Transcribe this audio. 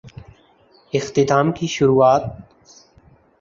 اختتام کی شروعات؟